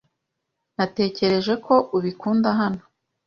Natekereje ko ubikunda hano.